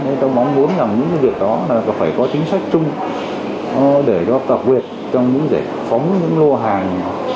nên tôi mong muốn làm những cái việc đó là phải có chính sách chung để đo tạp quyền trong những giải phóng những lô hàng